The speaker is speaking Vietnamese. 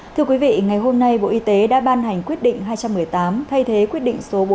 thưa quý vị ngày hôm nay bộ y tế đã ban hành quyết định hai trăm một mươi tám thay thế quyết định số bốn trăm bốn